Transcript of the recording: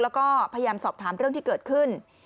แล้วก็พยายามสอบถามเรื่องที่เกิดขึ้น